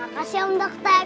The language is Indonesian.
makasih om dokter